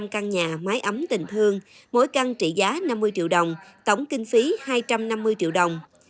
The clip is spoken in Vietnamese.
năm căn nhà máy ấm tình thương mỗi căn trị giá năm mươi triệu đồng tổng kinh phí hai trăm năm mươi triệu đồng